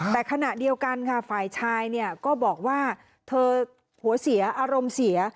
แต่ขณะเดียวกันค่ะฝ่ายชายเนี่ยก็บอกว่าเธอหัวเสียอารมณ์เสีย